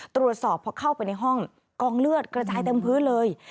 ตรวจสอบพอเข้าไปในห้องกองเลือดกระจายเต็มพื้นเลย